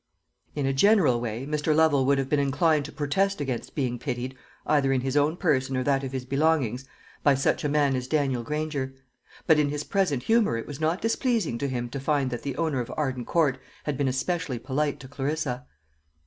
In a general way Mr. Lovel would have been inclined to protest against being pitied, either in his own person or that of his belongings, by such a man as Daniel Granger. But in his present humour it was not displeasing to him to find that the owner of Arden Court had been especially polite to Clarissa.